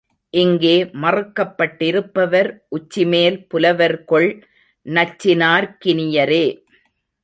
இங்கே மறுக்கப்பட்டிருப்பவர் உச்சிமேல் புலவர் கொள் நச்சினார்க்கினியரே.